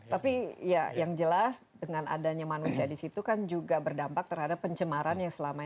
tapi ya yang jelas dengan adanya manusia di situ kan juga berdampak terhadap pencemaran yang selama ini